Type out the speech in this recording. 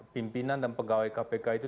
pimpinan dan pegawai kpk itu